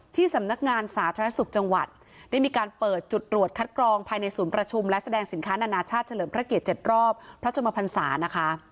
สำนักงานสาธารณสุขจังหวัดได้มีการเปิดจุดตรวจคัดกรองภายในศูนย์ประชุมและแสดงสินค้านานาชาติเฉลิมพระเกียรติ๗รอบพระชมพันศานะคะ